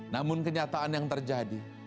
namun kenyataan yang terjadi